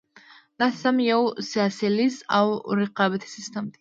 دا سیستم یو سیالیز او رقابتي سیستم دی.